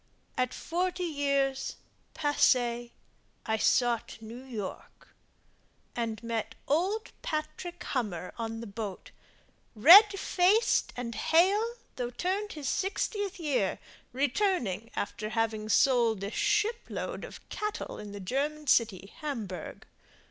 At forty years, passée, I sought New York And met old Patrick Hummer on the boat, Red faced and hale, though turned his sixtieth year, Returning after having sold a ship load Of cattle in the German city, Hamburg.